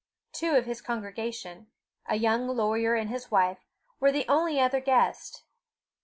Two of his congregation, a young lawyer and his wife, were the only other guests.